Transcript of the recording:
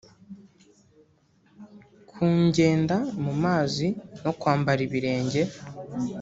kungenda mu mazi no kwambara ibirenge